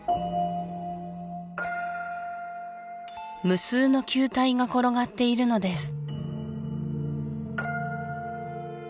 無数の球体が転がっているのです